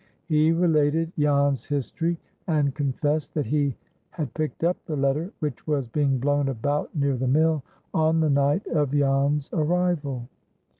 He related Jan's history, and confessed that he had picked up the letter, which was being blown about near the mill, on the night of Jan's arrival.